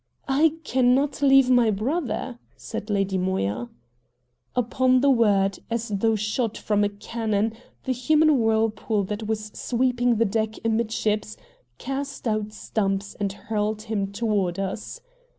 "I cannot leave my brother!" said Lady Moya. Upon the word, as though shot from a cannon, the human whirlpool that was sweeping the deck amidships cast out Stumps and hurled him toward us.